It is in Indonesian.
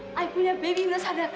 saya punya bayi udah sadar